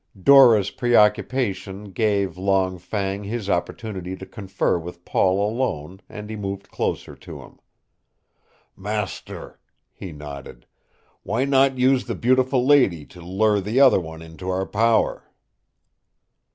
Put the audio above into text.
Dora's preoccupation gave Long Fang his opportunity to confer with Paul alone and he moved closer to him. "Master," he nodded, "why not use the beautiful lady to lure the other one into our power?"